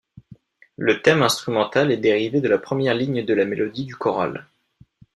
Le thème instrumental est dérivé de la première ligne de la mélodie du choral.